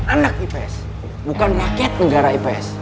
anak ips bukan rakyat negara ips